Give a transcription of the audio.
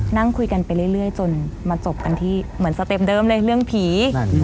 นั่งคุยกันไปเรื่อยจนมาจบกันที่เหมือนสเต็ปเดิมเลยเรื่องผี